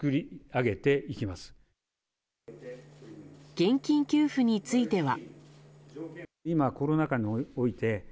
現金給付については。